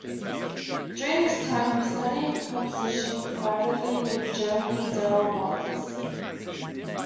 During this time, he studied composition privately with Jeremy Dale Roberts.